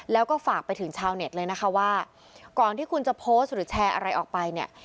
แล้วก็ฝากไปถึงชาวเน็ตเลยนะคะว่าก่อนที่คุณจะโพสต์หรือแชร์อะไรออกไปเนี่ย